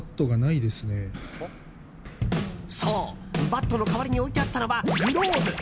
そう、バットの代わりに置いてあったのはグローブ。